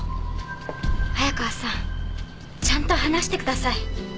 早川さんちゃんと話してください。